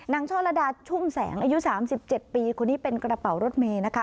นางช่อลดาชุ่มแสงอายุสามสิบเจ็ดปีคนนี้เป็นกระเป๋ารถเมนะคะ